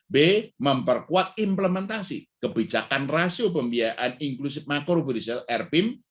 b memperkuat implementasi kebijakan rasio pembiayaan inklusif makro grusel rpim